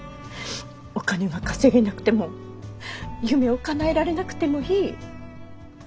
お金が稼げなくても夢をかなえられなくてもいい。